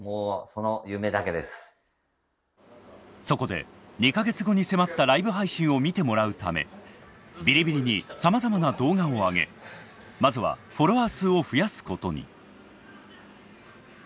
そこで２か月後に迫ったライブ配信を見てもらうためビリビリにさまざまな動画をあげまずはフォロワー数を増やすことに。